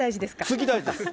次、大事です。